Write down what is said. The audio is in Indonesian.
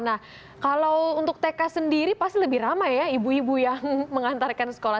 nah kalau untuk tk sendiri pasti lebih ramai ya ibu ibu yang mengantarkan sekolah